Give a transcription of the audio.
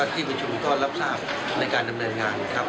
ที่ประชุมก็รับทราบในการดำเนินงานครับ